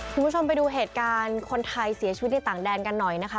คุณผู้ชมไปดูเหตุการณ์คนไทยเสียชีวิตในต่างแดนกันหน่อยนะคะ